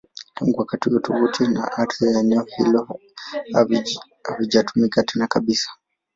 Tangu wakati huo, tovuti na ardhi ya eneo hilo havijatumika tena kabisa.